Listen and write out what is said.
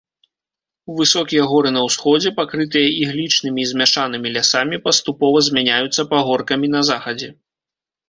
Высокія горы на ўсходзе, пакрытыя іглічнымі і змяшанымі лясамі, паступова змяняюцца пагоркамі на захадзе.